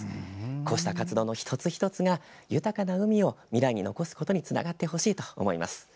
こうした活動の一つ一つが豊かな海を未来に残すことにつながってほしいと思います。